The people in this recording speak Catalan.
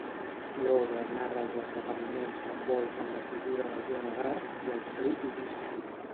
L'obra narra els esdeveniments que envolten la figura de Joana d'Arc i el seu judici.